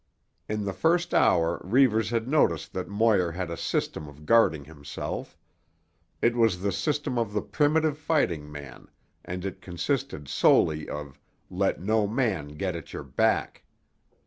In the first hour Reivers had noticed that Moir had a system of guarding himself. It was the system of the primitive fighting man and it consisted solely of: let no man get at your back.